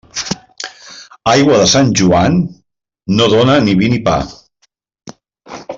Aigua de Sant Joan no dóna ni vi ni pa.